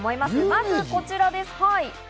まず、こちらです。